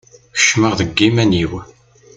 Kecmeɣ deg iman-iw.